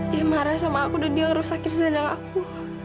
dia marah sama aku dan dia ngerusak kesendangan aku